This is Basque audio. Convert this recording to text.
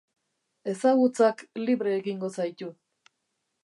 Ezagutzak libre egingo zaitu